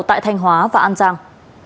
tại thanh hóa và an giang